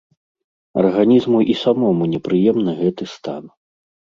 Арганізму і самому непрыемны гэты стан.